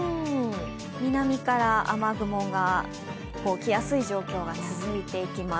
南から雨雲がきやすい状況が続いていきます。